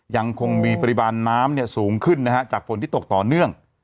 ยังคงมีปริมาณน้ำสูงขึ้นนะฮะจากฝนที่ตกต่อเนื่อง